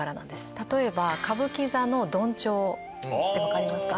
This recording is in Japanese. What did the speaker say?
例えば歌舞伎座の緞帳って分かりますか？